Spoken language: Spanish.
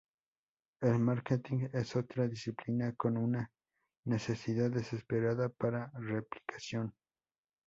El marketing es otra disciplina con una "necesidad desesperada para replicación".